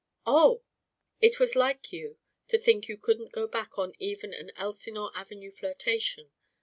"Oh!" "It was like you to think you couldn't go back on even an Elsinore Avenue flirtation.